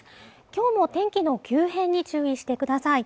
きょうも天気の急変に注意してください